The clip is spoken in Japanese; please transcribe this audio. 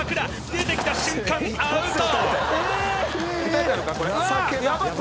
出てきた瞬間アウト。